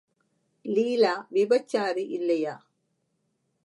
லீலா விபச்சாரி யில்லையா?